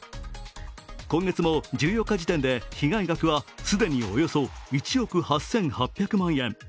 今月も１４日時点で被害額は既におよそ１億８８００万円。